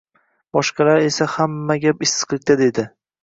Boshqalar esa hamma gap issiqlikda dedi.